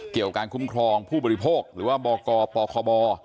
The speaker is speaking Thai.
เกี่ยวกับการคุ้มครองผู้บริโภคหรือว่าบกปคบ